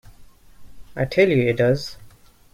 I tell you it does.